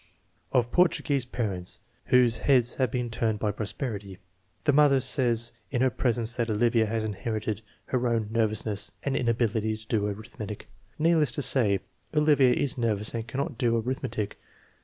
Of Portuguese parents whose heads have been turned by prosperity. The mother says in her presence that Olivia has inherited her own nervousness and inability to do arith metic. Needless to say, Olivia is nervous and cannot do arithmetic.